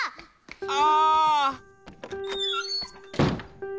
あ。